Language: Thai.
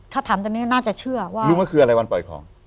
ถ้าถามตอนนี้น่าจะเชื่อว่าลุงก็คืออะไรวันปล่อยของ